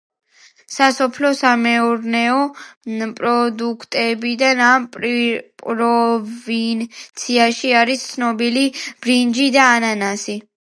სასოფლო-სამეურნეო პროდუქტებიდან, ამ პროვინციაში არის ცნობილი ბრინჯი და ანანასი.